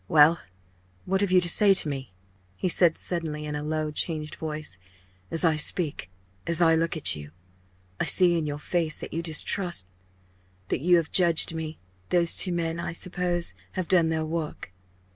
"Well, what have you to say to me?" he said, suddenly, in a low changed voice "as I speak as I look at you I see in your face that you distrust that you have judged me; those two men, I suppose, have done their work!